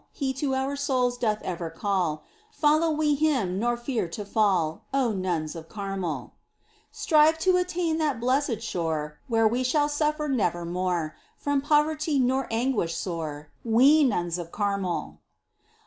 He to our souls doth ever call : POEMS. 25 Follow we Him nor fear to fall, •. O nuns of Carmel ! Strive to attain that blessed shore Where we shall suñer nevermore From poverty nor anguish sore, We nuns of Carmel